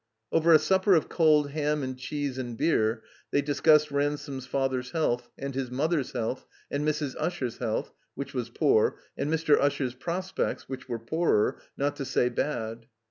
Over a supper of cold ham and cheese and beer they discussed Ransome's father's health and his mother's health, and Mrs. Usher's health, which was poor, and Mr. Usher's prospects, which were poorer, not to say bad.